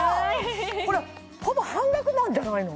これほぼ半額なんじゃないの？